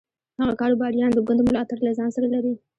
هغه کاروباریان د ګوند ملاتړ له ځان سره لري.